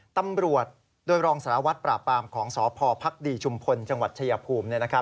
ตำรวจโดยรองสารวัตรปราบปรามของสพภักดีชุมพลจังหวัดชายภูมิ